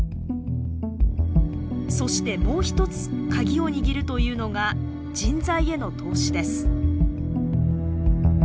そしてもう一つカギを握るというのが人材への投資です。